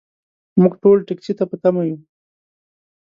موږ ټول ټکسي ته په تمه یو .